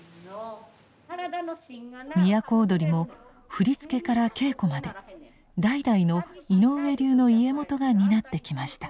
都をどりも振り付けから稽古まで代々の井上流の家元が担ってきました。